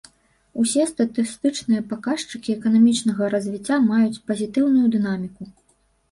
Усе статыстычныя паказчыкі эканамічнага развіцця маюць пазітыўную дынаміку.